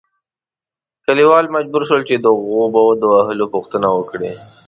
کلیوال مجبور شول چې د غوبه د وهلو پوښتنه وکړي.